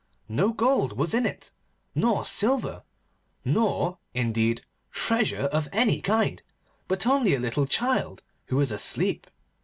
no gold was in it, nor silver, nor, indeed, treasure of any kind, but only a little child who was asleep.